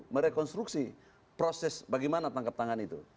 merekonstruksi proses bagaimana tangkap tangan itu